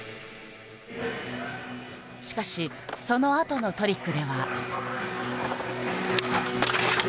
しかしそのあとのトリックでは。